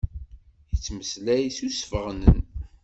Yettmeslay s usfeɣnen.